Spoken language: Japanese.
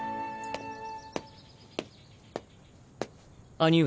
兄上。